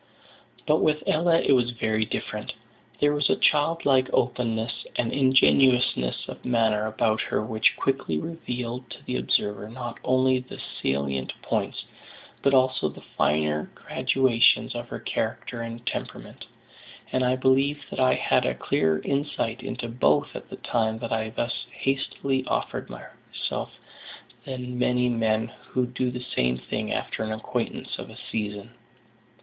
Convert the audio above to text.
But with Ella it was very different. There was a child like openness and ingenuousness of manner about her which quickly revealed to the observer not only the salient points, but also the finer gradations, of her character and temperament; and I believe that I had a clearer insight into both at the time that I thus hastily offered myself, than many men who do the same thing after an acquaintance of a "season."